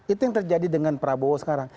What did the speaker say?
itu yang terjadi dengan prabowo sekarang